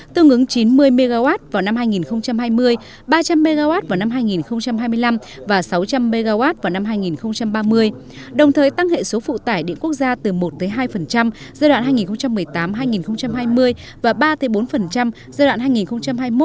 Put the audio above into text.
tương ứng chín mươi mw vào năm hai nghìn hai mươi ba trăm linh mw vào năm hai nghìn hai mươi năm và sáu trăm linh mw vào năm hai nghìn ba mươi đồng thời tăng hệ số phụ tải điện quốc gia từ một hai giai đoạn hai nghìn một mươi tám hai nghìn hai mươi và ba bốn giai đoạn hai nghìn hai mươi một hai nghìn hai mươi